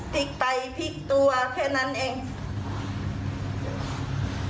พลิกไปพลิกตัวแค่นั้นเอง